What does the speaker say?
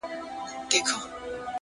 د چای بخار د لاس تودوخه بدلوي.!